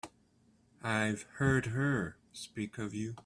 I've heard her speak of you.